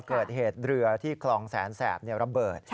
เกิดเหตุเรือที่คลองแสนแสบระเบิด